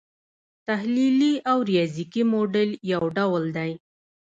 تحلیلي او ریاضیکي موډل یو ډول دی.